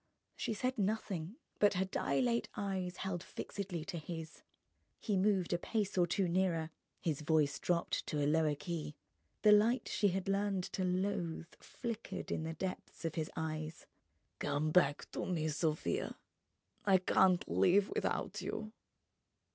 She said nothing, but her dilate eyes held fixedly to his. He moved a pace or two nearer, his voice dropped to a lower key, the light she had learned to loathe flickered in the depths of his eyes. "Come back to me, Sofia! I can't live without you